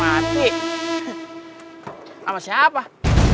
wah ansih nih ansih